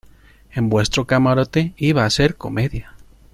en vuestro camarote. iba a ser comedia